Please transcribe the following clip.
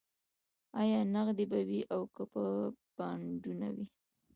ایا نغدې به وي او که به بانډونه وي